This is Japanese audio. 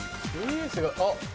あっ。